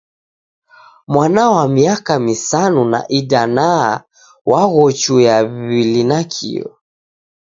Mwana wa miaka misanu na idanaa waghochuya w'ili nakio.